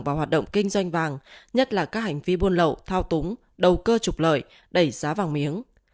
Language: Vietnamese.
vào hoạt động kinh doanh vàng nhất là các hành vi buôn lậu thao túng đầu cơ trục lợi đẩy giá vàng miếng